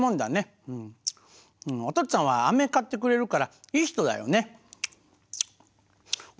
おとっつぁんはあめ買ってくれるからいい人だよね。